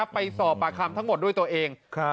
ไปสอบปากคำทั้งหมดด้วยตัวเอง